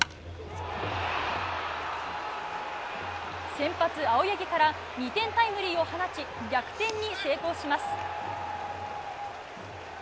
先発、青柳から２点タイムリーを放ち逆転に成功します。